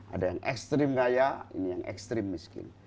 ada yang ekstrim kaya ini yang ekstrim miskin